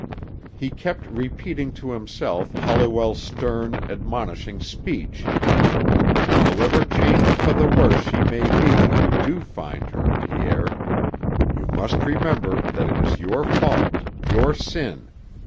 He kept repeating to himself Holliwell's stern, admonishing speech: "However changed for the worse she may be when you do find her, Pierre, you must remember that it is your fault, your sin.